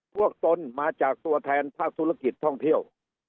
ตนมาจากตัวแทนภาคธุรกิจท่องเที่ยว